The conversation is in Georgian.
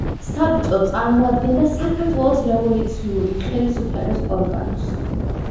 საბჭო წარმოადგენდა საქართველოს რევოლუციური ხელისუფლების ორგანოს.